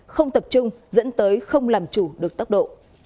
không tập trung dẫn tới không làm chủ được tốc độ